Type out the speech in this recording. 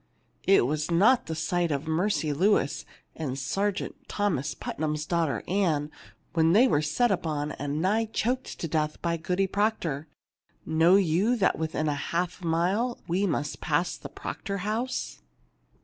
"It was naught to the sight of Mercy Lewis and Sergeant Thomas Putnam's daughter Ann, when they were set upon and nigh choked to death by Goody Proctor. Know you that within a half mile we must pass the Proctor house